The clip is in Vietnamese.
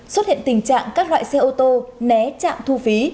xuất hiện tình trạng các loại xe ô tô né trạm thu phí